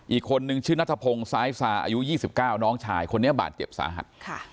อีกคนนึงชื่อนัทพงศ์ซ้ายซาอายุ๒๙น้องชายคนนี้บาดเจ็บสาหัส